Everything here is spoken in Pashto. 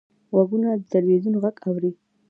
غوږونه د تلویزیون غږ اوري